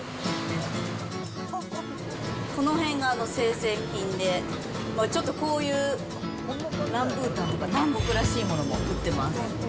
この辺が生鮮品で、ちょっとこういう、ランブータンとか南国らしいものも売ってます。